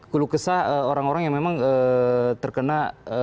keluh kesah orang orang yang memang terkena